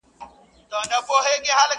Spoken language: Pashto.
نصیب د جهاني له ستوني زور دی تښتولی٫